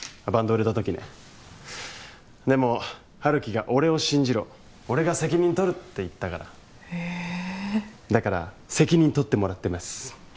バンド売れた時ねでも春樹が俺を信じろ俺が責任とるって言ったからへえだから責任とってもらってます